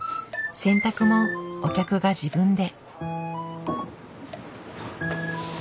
洗濯もお客が自分で。